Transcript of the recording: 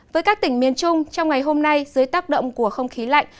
với các tỉnh miền trung trong ngày hôm nay dưới tác động của không khí lạnh